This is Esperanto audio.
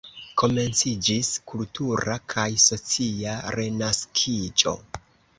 Komenciĝis kultura kaj socia renaskiĝo.